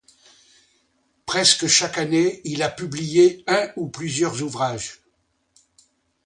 Presque chaque année, il a publié un ou plusieurs ouvrages.